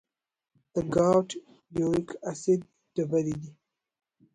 د ګاؤټ د یوریک اسید ډبرې دي.